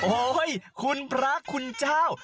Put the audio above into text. โอ้โหคุณพระคุณเจ้า